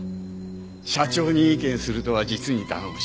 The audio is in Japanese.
社長に意見するとは実に頼もしい。